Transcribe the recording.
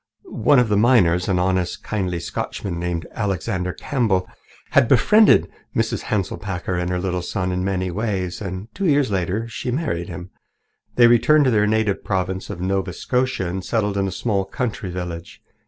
One of the miners, an honest, kindly Scotchman named Alexander Campbell, had befriended Mrs. Hanselpakker and her little son in many ways, and two years later she had married him. They returned to their native province of Nova Scotia and settled in a small country village.